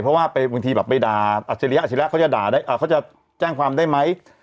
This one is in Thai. เพราะว่าบางทีแบบไปด่าอัจฉริยะอาชิระเขาจะด่าได้เขาจะแจ้งความได้ไหม